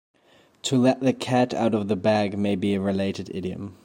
To "let the cat out of the bag" may be a related idiom.